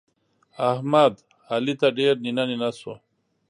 احمد؛ علي ته ډېر نينه نينه سو.